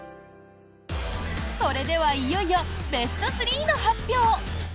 それでは、いよいよベスト３の発表。